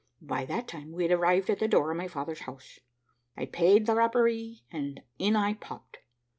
"By that time we had arrived at the door of my father's house. I paid the rapparee, and in I popped.